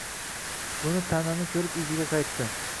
Buni ta’nani ko‘rib iziga qaytdi.